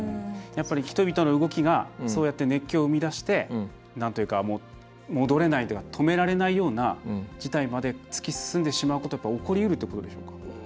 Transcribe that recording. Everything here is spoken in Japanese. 人々の動きがそうやって熱狂を生み出して戻れないというか止められないような事態まで突き進んでしまうことってやっぱり起こりうるということでしょうか。